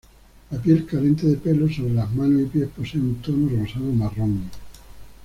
La piel carente de pelo sobre las manos y pies posee un tono rosado-marrón.